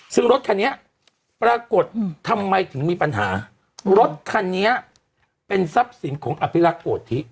ซึ่งรถคันนี้ปรากฏทำไมถึงมีปัญหารถคันนี้เป็นทรัพย์สินของอภิรักษ์โกธิ